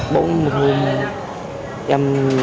bỗng một hôm em